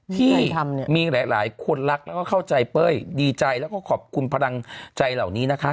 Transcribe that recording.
ที่ใครทำเนี่ยมีหลายหลายคนรักแล้วก็เข้าใจเบ้ยดีใจแล้วก็ขอบคุณพลังใจเหล่านี้นะคะ